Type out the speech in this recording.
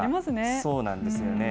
そうなんですよね。